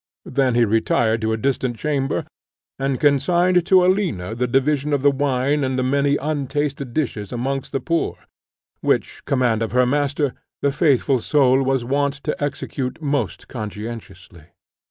Then he retired to a distant chamber, and consigned to Alina the division of the wine and the many untasted dishes amongst the poor; which command of her master, the faithful soul was wont to execute most conscientiously.